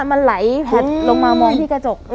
มันไหลแท็ดลงมามองที่กระจก